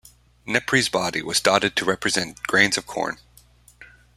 Nepri's body was dotted to represent grains of corn.